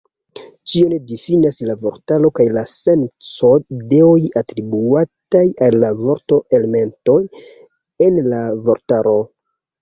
Ĉion difinas la vortaro kaj la senco-ideoj atribuataj al la vort-elementoj en la vortaro.